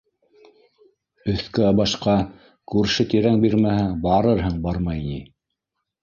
Өҫкә-башҡа күрше-тирәң бирмәһә, барырһың, бармай ни.